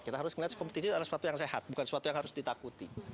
kita harus melihat kompetisi adalah sesuatu yang sehat bukan sesuatu yang harus ditakuti